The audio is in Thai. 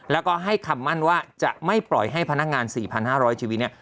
แล้วก็ให้คำมั่นว่าจะไม่ปล่อยให้พนักงาน๔๕๐๐ชีวิตเนี่ย